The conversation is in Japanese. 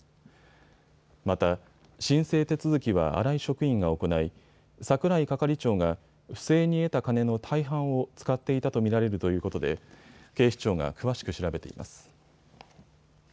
また、申請手続きは新井職員が行い櫻井係長が不正に得た金の大半を使っていたと見られるということで警視庁が詳しく調べています。